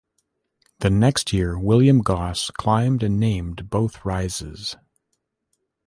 The next year, William Gosse climbed and named both rises.